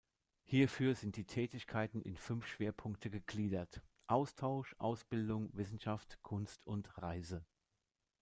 Hierfür sind die Tätigkeiten in fünf Schwerpunkte gegliedert: Austausch, Ausbildung, Wissenschaft, Kunst und Reise.